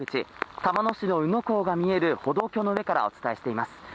玉野市の港が見える歩道橋の上からお伝えしています。